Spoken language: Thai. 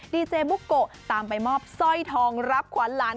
ดีเจบุโกะตามไปมอบสร้อยทองรับขวานหลาน